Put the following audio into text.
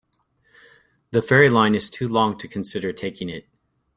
The ferry line is too long to consider taking it.